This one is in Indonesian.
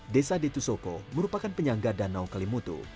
desa detusoko merupakan penyangga danau kalimutu